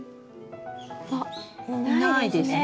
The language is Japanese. あっいないですね。